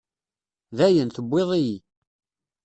Dayen, tewwiḍ-iyi.